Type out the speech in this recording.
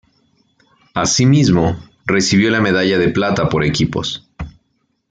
Asimismo, recibió la medalla de plata por equipos.